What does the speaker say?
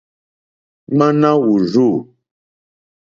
Ŋwáná wùrzû.